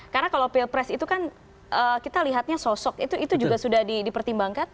karena kalau pilpres itu kan kita lihatnya sosok itu juga sudah dipertimbangkan